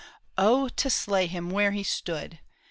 " O, to slay him where he stood